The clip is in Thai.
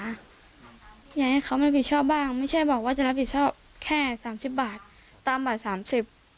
อยากให้เขามันผิดชอบบ้างไม่ใช่บอกว่าจะรับผิดชอบแค่๓๐บาทตามบัตร๓๐